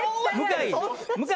向井！